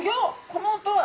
この音は！